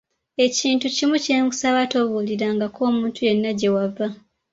Ekintu kimu kye nkusaba, tobuulirangako omuntu yenna gye wava.